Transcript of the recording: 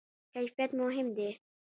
کیفیت مهم دی